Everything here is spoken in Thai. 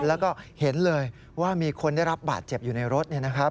แล้วก็เห็นเลยว่ามีคนได้รับบาดเจ็บอยู่ในรถเนี่ยนะครับ